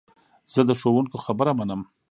زه د ښوونکو خبره منم.